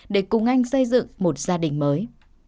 để cùng anh xây dựng một gia đình mới